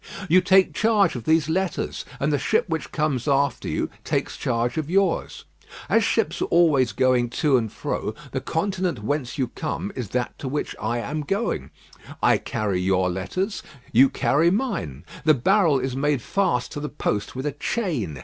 You take charge of these letters, and the ship which comes after you takes charge of yours. As ships are always going to and fro, the continent whence you come is that to which I am going. I carry your letters; you carry mine. The barrel is made fast to the post with a chain.